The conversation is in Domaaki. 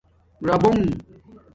رَابوبنگ